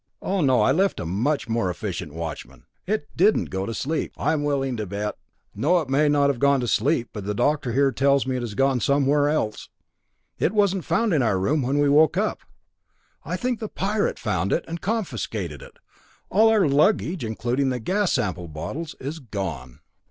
"Oh, no, I left a much more efficient watchman! It didn't go to sleep I'm willing to bet!" "No, it may not have gone to sleep, but the doctor here tells me it has gone somewhere else. It wasn't found in our room when we woke up. I think the Pirate found it and confiscated it. All our luggage, including the gas sample bottles, is gone."